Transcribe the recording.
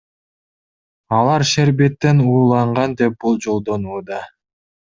Алар шербеттен ууланган деп болжолдонууда.